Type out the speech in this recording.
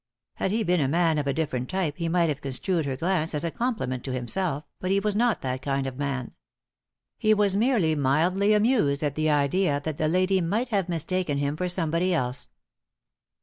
Had he been a man of a different type he might have construed her glance as a compliment to himself, but he was □ot that kind of man. He was merely mildly amused at the idea that the lady might have mistaken him for somebody else.